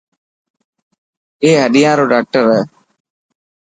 اي هڏيان رو ڊاڪٽر هي.